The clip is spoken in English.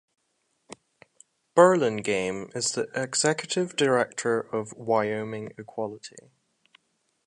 Burlingame is the executive director of Wyoming Equality.